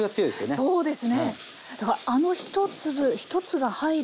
そうですね。